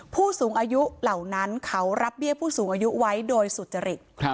ผู้สูงอายุเหล่านั้นเขารับเบี้ยผู้สูงอายุไว้โดยสุจริต